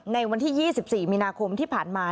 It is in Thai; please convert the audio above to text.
ในวันที่๒๔มีนาคมที่ผ่านมา